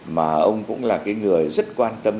mà ông cũng là cái người rất quan tâm